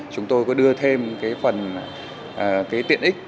chúng tôi có đưa thêm phần tiện ích